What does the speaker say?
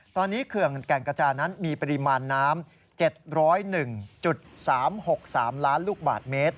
ตอนนี้เขื่อนแก่งกระจานั้นมีปริมาณน้ำ๗๐๑๓๖๓ล้านลูกบาทเมตร